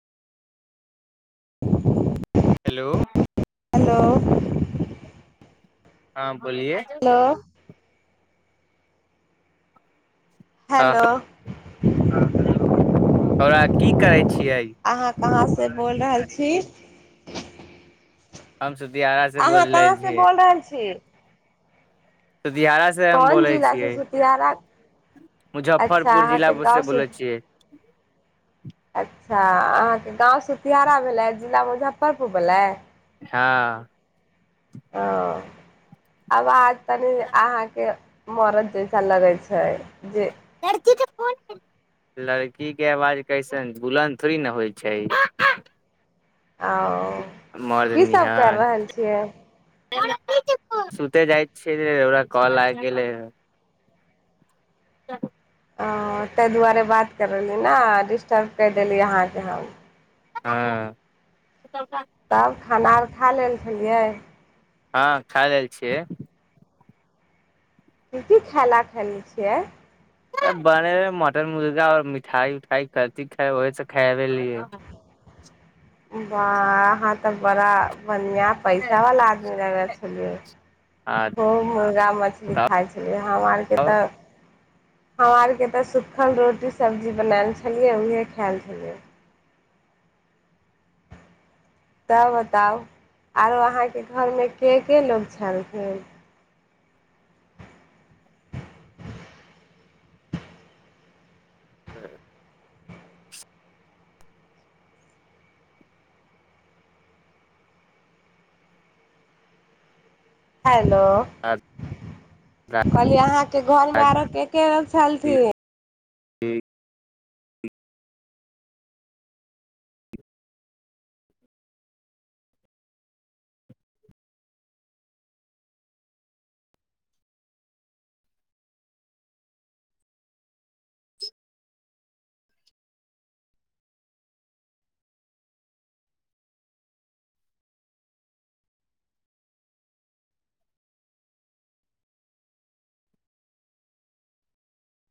[inaudible] hello hello आ बोलिए hello हँ हेलो हँरा की करय अहाँ कहाँ से से बोल रहल छी हम सुदिहारा से बोल अहाँ रहे कहाँ से छियै बोल रहल छीै सुधियारा से हम कोन बोलै जिला से छियै सुतियारा अच्छा मुजफ्फरपुर जिला अहाँके गाँव से सु बोलै छियै अच्छा अहाँके गाँवसँ सुतीयारा भेलै जिला मुजफ्फरपुर भेलै हँ ह आब आज तनी अहाँके मरद जैसा लगय छै जे लड़कीे आवाज कइसन बुलन्द थोड़ी ने होइ छै ओ मर्द कीसभ करि निहान रहल छियै सुते जाइ छियै ओरा कॉल आबि गेलै चल अ ताहि दुआरे बात ने डिस्टर्ब करि देली अहाँके हम हँ तब खाना आर खा लेल छलियै हँ खा लेल छियै की की खेला खेलै छियै बने है मटन मुर्गा और मिठाई उठाई करती खाइ ओहसँ खाबे लिैय बा अहाँ तऽ बड़ा बनिया पैसा वला आदमी रहै छै आ आ खूब मुर्गा मछली तब खाइ छलियै हमरा आरके तऽ हम आरके तऽ सुखल रोटी सब्जी बनायल छलियै उएह खायल छलियै तऽ बताउ आरो अहाँके घरमे के के लोक छलखिन ह्म ह हैलो कहलि अहाँ के घरमे आरो के के छलथिन ठीक